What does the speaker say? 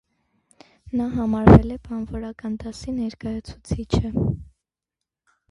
Նա համարվել է բանվորական դասի ներկայացուցիչը։